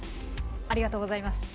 ありがとうございます。